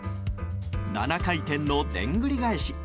７回転のでんぐり返し。